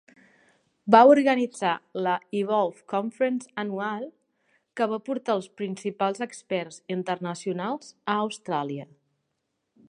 Va organitzar la Evolve Conference anual, que va portar els principals experts internacionals a Austràlia.